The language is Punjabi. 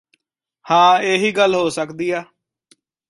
ਹਾਂ ਇਹ ਹੀ ਗੱਲ ਹੋ ਸਕਦੀ ਆ